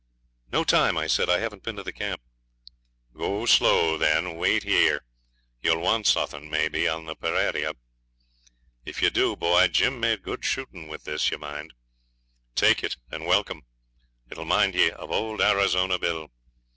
'No time,' I said. 'I haven't been to the camp.' 'Go slow, then. Wait here; you'll want suthin, may be, on the peraira. If ye do, boy! Jim made good shootin' with this, ye mind. Take it and welcome; it'll mind ye of old Arizona Bill.'